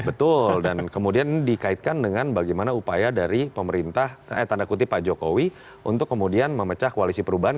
betul dan kemudian ini dikaitkan dengan bagaimana upaya dari pemerintah eh tanda kutip pak jokowi untuk kemudian memecah koalisi perubahan